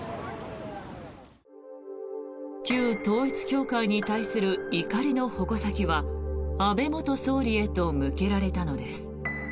旧統一教会に対する怒りの矛先は安倍元総理へと向けられたのです。